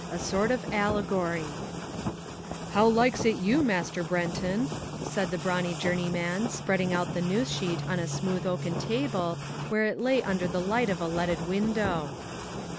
A Sort of Allegory How likes it you, Master Brenton?" said the brawny journeyman, spreading out the news sheet on a smooth oaken table where it lay under the light of a leaded window.